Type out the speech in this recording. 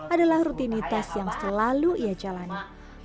adalah rutinitas yang selalu ia jalani